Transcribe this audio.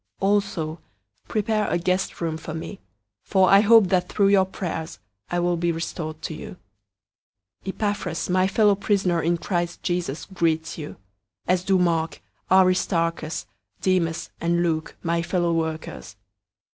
001:022 Also, prepare a guest room for me, for I hope that through your prayers I will be restored to you. 001:023 Epaphras, my fellow prisoner in Christ Jesus, greets you, 001:024 as do Mark, Aristarchus, Demas, and Luke, my fellow workers.